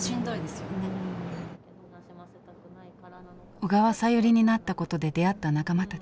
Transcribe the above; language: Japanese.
「小川さゆり」になったことで出会った仲間たち。